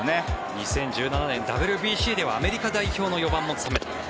２０１７年ＷＢＣではアメリカ代表の４番も務めた。